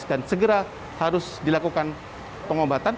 dan segera harus dilakukan